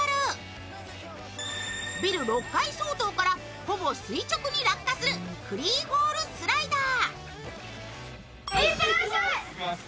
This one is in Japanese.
ビル６階相当からほぼ垂直に落下するフリーフォールスライダー。